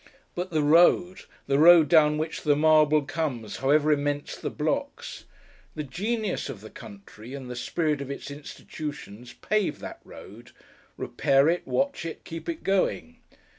But the road, the road down which the marble comes, however immense the blocks! The genius of the country, and the spirit of its institutions, pave that road: repair it, watch it, keep it going!